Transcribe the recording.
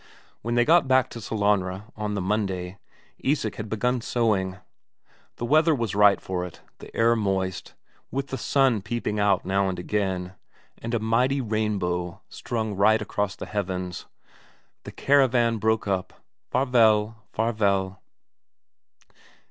When they got back to Sellanraa on the Monday, Isak had begun sowing. The weather was right for it; the air moist, with the sun peeping out now and again, and a mighty rainbow strung right across the heavens. The caravan broke up Farvel, Farvel....